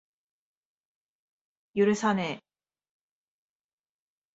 許さねぇ。